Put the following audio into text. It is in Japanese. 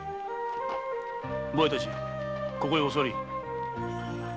お前たちここへお座り。